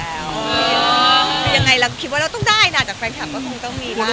ไม่เอาละค่ะคำถามนี้ไม่ได้นะคะ